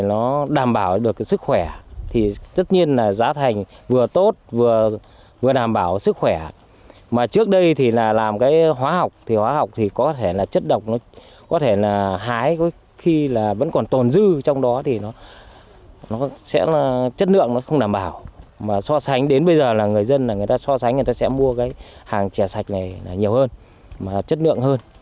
nó đảm bảo được cái sức khỏe thì tất nhiên là giá thành vừa tốt vừa đảm bảo sức khỏe mà trước đây thì là làm cái hóa học thì hóa học thì có thể là chất độc nó có thể là hái có khi là vẫn còn tồn dư trong đó thì nó sẽ là chất lượng nó không đảm bảo mà so sánh đến bây giờ là người dân là người ta so sánh người ta sẽ mua cái hàng chè sạch này là nhiều hơn mà chất lượng hơn